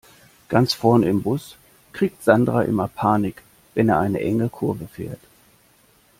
Ganz vorne im Bus kriegt Sandra immer Panik, wenn er eine enge Kurve fährt.